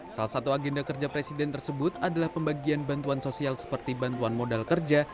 salah satu agenda kerja presiden tersebut adalah pembagian bantuan sosial seperti bantuan modal kerja